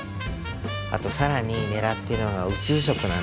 あと更にねらっているのが宇宙食なんです。